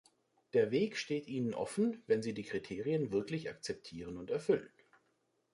Der Weg steht ihnen offen, wenn sie die Kriterien wirklich akzeptieren und erfüllen.